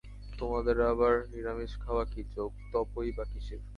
তোমাদের আবার নিরামিষ খাওয়া কী, যোগ-তপই বা কিসের!